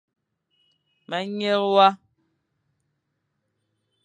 Ma nyeghe wa.